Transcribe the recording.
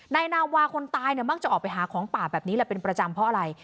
นายนาวาคนตายเนี่ยมักจะออกไปหาของป่าแบบนี้แหละเป็นประจำเพราะอะไร